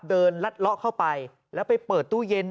ลัดเลาะเข้าไปแล้วไปเปิดตู้เย็น